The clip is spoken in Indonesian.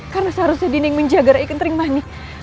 karena seharusnya dinda yang menjaga rai kenteri manik